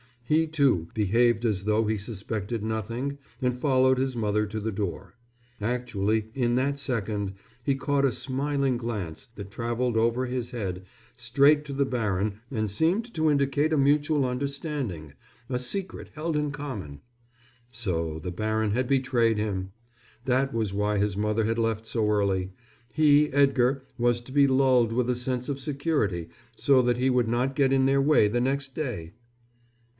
He, too, behaved as though he suspected nothing and followed his mother to the door. Actually, in that second, he caught a smiling glance that travelled over his head straight to the baron and seemed to indicate a mutual understanding, a secret held in common. So the baron had betrayed him! That was why his mother had left so early. He, Edgar, was to be lulled with a sense of security so that he would not get in their way the next day.